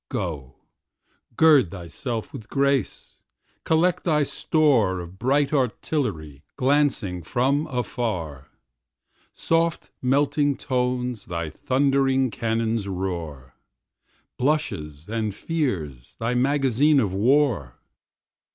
Go, gird thyself with grace; collect thy store Of bright artillery glancing from afar; Soft melting tones thy thundering cannon's roar, Blushes and fears thy magazine of war.